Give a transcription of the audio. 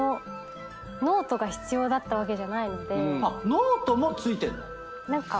ノートも付いてんの？